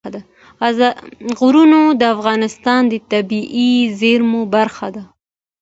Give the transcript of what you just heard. غرونه د افغانستان د طبیعي زیرمو برخه ده.